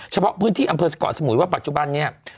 เฉพาะพื้นที่อำเภอสเกาะสมุยว่าปัจจุบันเนี่ย